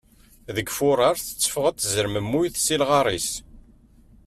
Deg furar, tetteffeɣ-d tzermemmuyt si lɣar-is.